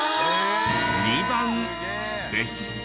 ２番でした。